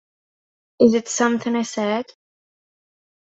Is It Something I Said?